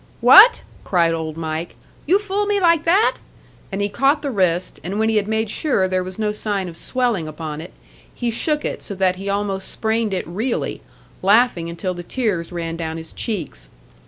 "What?" cried Old Mike. "You fool me like that?" And he caught the wrist, and when he had made sure there was no sign of swelling upon it, he shook it so that he almost sprained it really, laughing until the tears ran down his cheeks.